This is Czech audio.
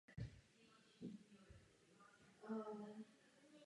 Na jejich středu měla stát „lucerna ze sedmi částí“.